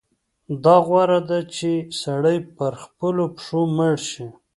دا غوره ده چې سړی پر خپلو پښو مړ شي.